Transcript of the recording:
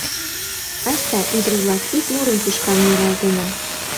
Айста, ӱдыр-влак, ик мурым тӱшкан муралтена.